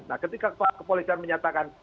nah ketika kepolisian menyatakan